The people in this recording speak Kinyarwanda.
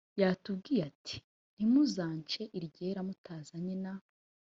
yatubwiye ati ntimuzance iryera mutazanye na